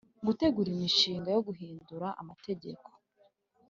Gutegura imishinga yo guhindura amategeko